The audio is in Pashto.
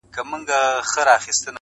مرگه نژدې يې څو شېبې د ژوندانه پاتې دي_